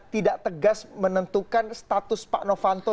tidak tegas menentukan status pak novanto